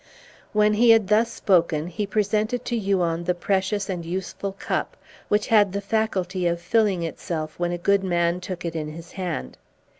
When he had thus spoken he presented to Huon the precious and useful cup, which had the faculty of filling itself when a good man took it in his hand.